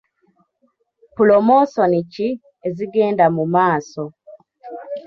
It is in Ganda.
Pulomosoni ki ezigenda mu maaso?